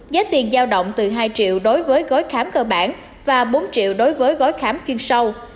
giá tiền giao động từ hai triệu đối với gói khám cơ bản và bốn triệu đối với gói khám chuyên sâu